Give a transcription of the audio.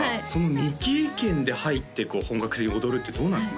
未経験で入ってこう本格的に踊るってどうなんですか？